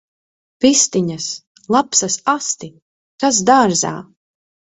Vistiņas! Lapsas asti! Kas dārzā!